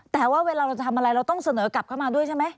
แต่ว่าเวลาเราจะทำอะไรเราต้องเสนอกลับเข้ามาด้วยใช่ไหม